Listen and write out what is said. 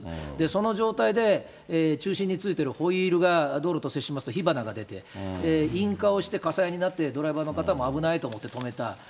その状態で中心についてるホイールが道路と接しますと、火花が出て、引火をして火災になって、ドライバーの方も危ないと思って止めた。